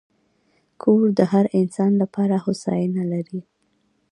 کور د هر انسان لپاره هوساینه لري.